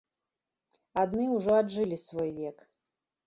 Адны ўжо аджылі свой век.